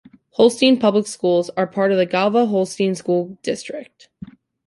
Holstein Public Schools are part of the Galva-Holstein School District.